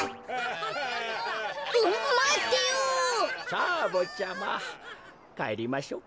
さあぼっちゃまかえりましょうか。